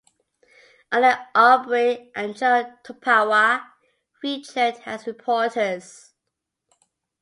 Anna Allbury and Jo Tuapawa featured as reporters.